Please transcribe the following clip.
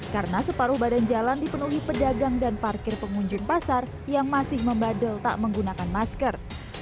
karena separuh badan jalan dipenuhi pedagang dan parkir pengunjung pasar yang masih membandel tak menggunakan masker